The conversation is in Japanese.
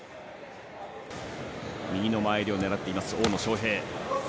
右の前襟をねらっています、大野将平。